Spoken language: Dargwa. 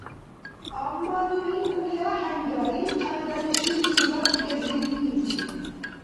Амма ну вирхули ахӀенра, илкьяйда мешули суратикӀес вирниличи.